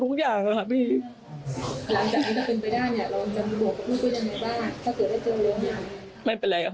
หลังจากนี้ก็ขึ้นไปได้เนี่ยเราจะบวกพวกมันไปกันไหนบ้าง